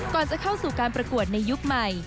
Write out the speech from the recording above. ก่อนจะเข้าสู่การประกวดในยุคใหม่